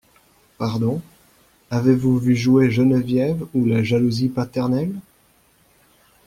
Pardon… avez-vous vu jouer Geneviève ou la jalousie paternelle ?…